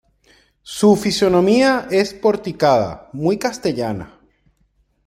Su fisonomía es porticada, muy castellana.